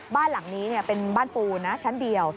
บ้านหลังนี้เป็นบ้านปูนะชั้นเดียว